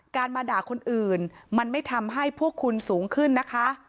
มาด่าคนอื่นมันไม่ทำให้พวกคุณสูงขึ้นนะคะ